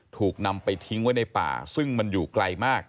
ถูกนำไปทิ้งไว้ในป่าซึ่งมันอยู่ไกลมาก